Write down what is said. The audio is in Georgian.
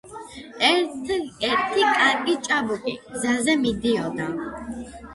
ერთი კარგი ჭაბუკი გზაზე მიდოდა